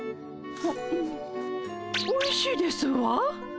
はむおいしいですわ。